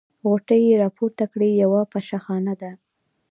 غوټې يې راپورته کړې: یوه پشه خانه ده.